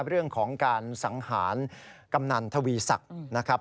เรื่องของการสังหารกำนันทวีศักดิ์นะครับ